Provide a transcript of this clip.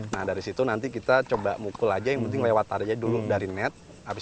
nah dari situ nanti kita coba mukul aja yang penting lewat tari aja dulu dari net